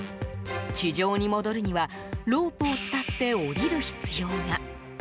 地上に戻るにはロープを伝って下りる必要が。